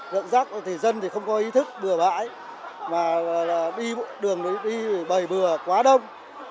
đợt giác thì dân không có ý thức bừa bãi mà đường đi bầy bừa quá đông